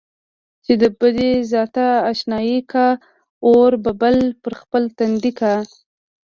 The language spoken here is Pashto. چې د بې ذاته اشنايي کا، اور به بل پر خپل تندي کا.